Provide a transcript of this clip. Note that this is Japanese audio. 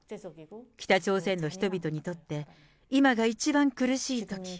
北朝鮮の人々にとって、今が一番苦しいとき。